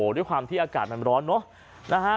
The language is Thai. ด้วยความที่อากาศมันร้อนเนอะนะฮะ